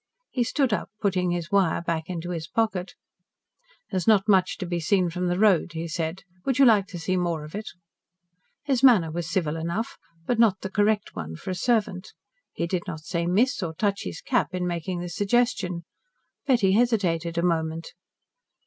He stood up, putting his wire back into his pocket. "There is not much to be seen from the road," he said. "Would you like to see more of it?" His manner was civil enough, but not the correct one for a servant. He did not say "miss" or touch his cap in making the suggestion. Betty hesitated a moment.